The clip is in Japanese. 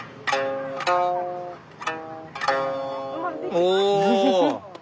お！